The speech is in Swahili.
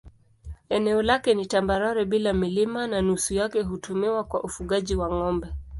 Eneo lake ni tambarare bila milima na nusu yake hutumiwa kwa ufugaji wa ng'ombe.